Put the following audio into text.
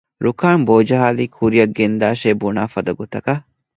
ރުކާން ބޯޖަހާލީ ކުރިއަށް ގެންދާށޭ ބުނާފަދަ ގޮތަކަށް